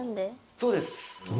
そうです。